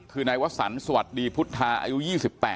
คือนายวสันสวัสดีพุทธาอายุ๒๘